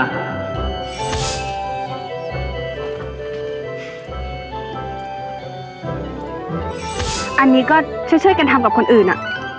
อันนี้ก็ช่วยกันทำกับคนอื่น